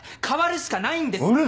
変わるしかないんです！